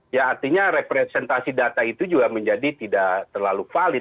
ya artinya representasi data itu juga menjadi tidak terlalu valid